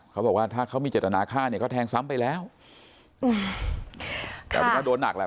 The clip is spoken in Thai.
เขาบอกว่าถ้าเขามีเจตนาฆ่าเนี่ยก็แทงซ้ำไปแล้วอืมแต่มันก็โดนหนักแหละ